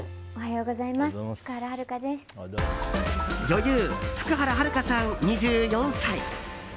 女優・福原遥さん、２４歳。